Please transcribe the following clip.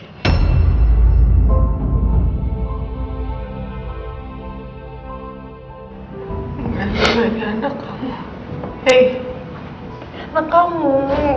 enggak ada bagi anak kamu